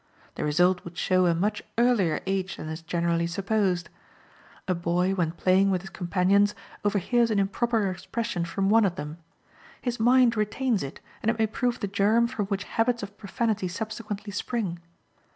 The result would show a much earlier age than is generally supposed. A boy, when playing with his companions, overhears an improper expression from one of them. His mind retains it, and it may prove the germ from which habits of profanity subsequently spring.